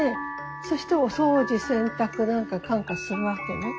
そしてお掃除洗濯なんかかんかするわけね。